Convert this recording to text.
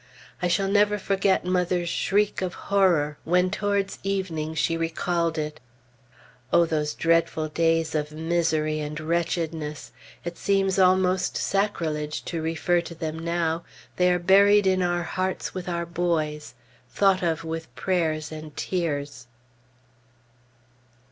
I shall never forget mother's shriek of horror when towards evening she recalled it. O those dreadful days of misery and wretchedness! It seems almost sacrilege to refer to them now. They are buried in our hearts with our boys thought of with prayers and tears.